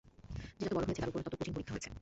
যে যত বড় হয়েছে, তার উপর তত কঠিন পরীক্ষা হয়েছে।